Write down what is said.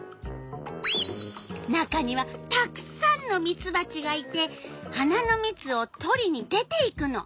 中にはたくさんのミツバチがいて花のみつをとりに出ていくの。